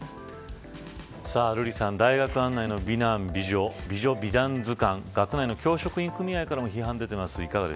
瑠麗さん、大学案内の美男・美女図鑑学内の教職員組合からも批判が出ています。